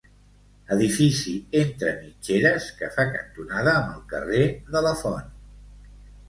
Edifici entre mitgeres, que fa cantonada amb el carrer de la Font.